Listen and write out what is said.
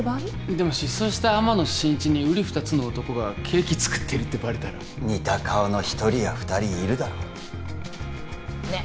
でも失踪した天野真一にうり二つの男がケーキ作ってるってバレたら似た顔の一人や二人いるだろうねえ